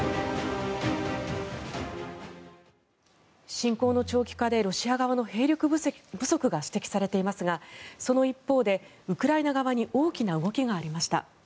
侵攻の長期化でロシア側の兵力不足が指摘されていますがその一方でウクライナ側に大きな動きがありました。